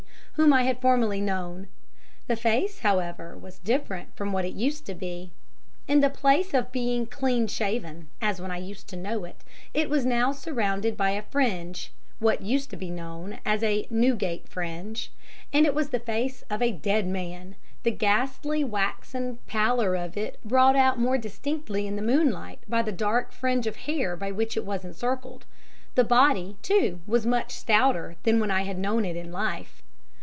whom I had formerly known. The face, however, was different from what it used to be; in the place of being clean shaven, as when I used to know it, it was now surrounded by a fringe (what used to be known as a Newgate fringe), and it was the face of a dead man, the ghastly waxen pallor of it brought out more distinctly in the moonlight by the dark fringe of hair by which it was encircled; the body, too, was much stouter than when I had known it in life.